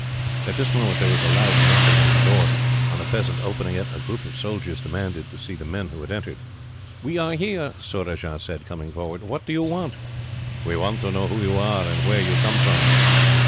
At this moment, there was a loud knocking at the door. On the peasant opening it, a group of soldiers demanded to see the men who had entered. "We are here," Surajah said, coming forward. "What do you want?" "We want to know who you are, and where you come from."